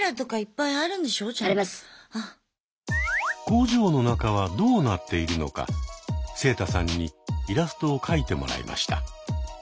工場の中はどうなっているのかセイタさんにイラストを描いてもらいました。